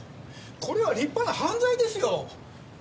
これは立派な犯罪ですよ！